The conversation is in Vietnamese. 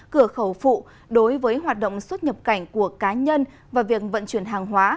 cửa khẩu phụ đối với hoạt động xuất nhập cảnh của cá nhân và việc vận chuyển hàng hóa